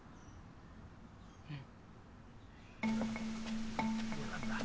うん。